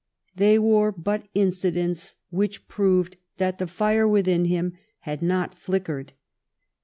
They were but incidents which proved that the fire within him had not flickered.